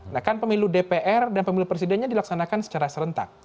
nah kan pemilu dpr dan pemilu presidennya dilaksanakan secara serentak